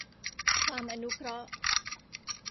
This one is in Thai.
ความอนุเคราะห์